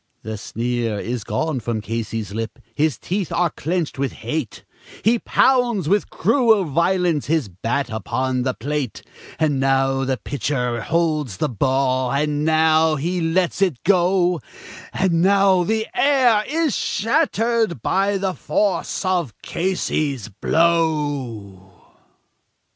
The sneer is gone from Casey's lip, his teeth are clenched with hate; He pounds with cruel violence his bat upon the plate; And now the pitcher holds the ball, and now he lets it go, And now the air is shattered by the force of Casey's blow.